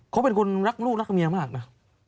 เขาเป็นคนรักลูกรักเมียมากนะ